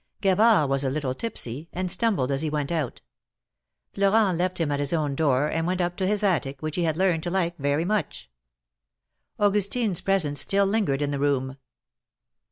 Gavard was a little tipsy, and stumbled as he went out. Florent left him at his own door, and went up to his attic, which he had learned to like very much. Augustine's presence still lingered in the room.